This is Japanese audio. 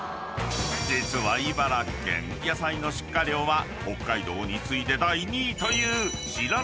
［実は茨城県野菜の出荷量は北海道に次いで第２位という］